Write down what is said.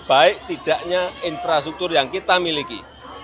baik tidaknya infrastruktur yang kita miliki